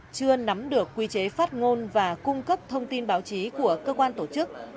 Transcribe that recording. chưa nắm được quy chế phát ngôn và cung cấp thông tin báo chí của cơ quan tổ chức